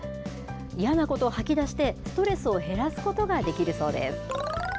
嫌なことをはき出して、ストレスを減らすことができるそうです。